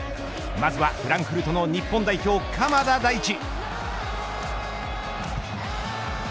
まずは、フランクフルトの日本代表、鎌田大地。